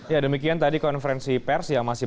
ya demikian tadi konferensi pers yang masih